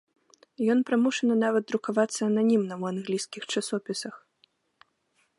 Ён прымушаны нават друкавацца ананімна, у англійскіх часопісах.